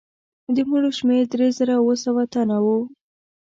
د مړو شمېر درې زره اووه سوه تنه وو.